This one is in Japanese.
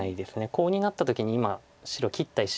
コウになった時に今白切った石。